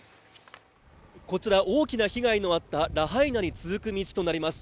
こちら大きな被害のあったラハイナに続く道となります。